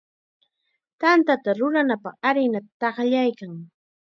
Tantata rurananpaq harinata taqllaykan.